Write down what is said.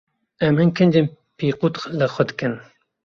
Em hin kincên pîqut li xwe dikin.